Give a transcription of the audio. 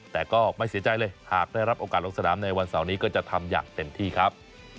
แต่ก็ไม่เสียใจเลยหากได้รับโอกาสลงสนามในวันเสาร์นี้ก็จะทำอย่างเต็มที่ครับ